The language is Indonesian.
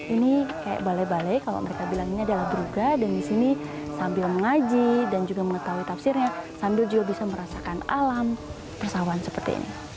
ini kayak balai balai kalau mereka bilang ini adalah bruga dan di sini sambil mengaji dan juga mengetahui tafsirnya sambil juga bisa merasakan alam persawahan seperti ini